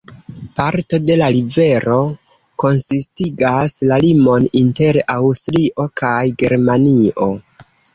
Parto de la rivero konsistigas la limon inter Aŭstrio kaj Germanio.